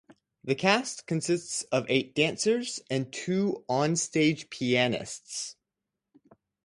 The cast consists of eight dancers and two onstage pianists.